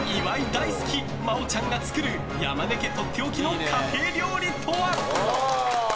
大好き、真央ちゃんが作る山根家とっておきの家庭料理とは。